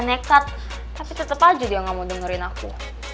tapi tetep aja dia gak mau dengerin aku